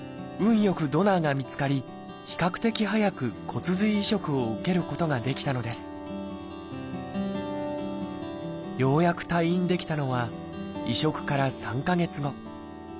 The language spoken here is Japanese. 良くドナーが見つかり比較的早く骨髄移植を受けることができたのですようやく退院できたのは移植から３か月後。